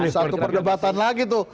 nah itu satu perdebatan lagi tuh